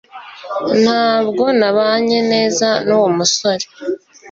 ntabwo nabanye neza nuwo musore